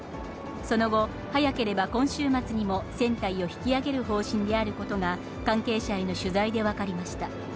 その後、早ければ今週末にも船体を引き揚げる方針であることが、関係者への取材で分かりました。